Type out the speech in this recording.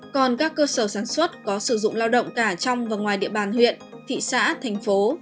còn các cơ sở sản xuất có sử dụng lao động cả trong và ngoài địa bàn huyện thị xã thành phố